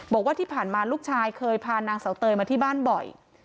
บอกว่าที่ผ่านมาลูกชายเคยพานางเสาเตยมาที่บ้านบ่อย